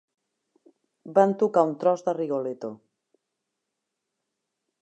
Van tocar un tros de Rigoletto.